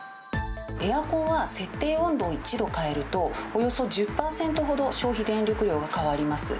エアコンは設定温度を１度変えると、およそ１０％ほど消費電力量が変わります。